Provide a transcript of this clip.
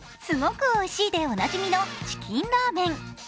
すごくおいしい！」でおなじみのチキンラーメン。